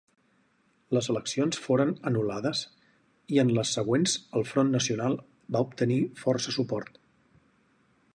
Les eleccions foren anul·lades i en les següents el Front Nacional va obtenir força suport.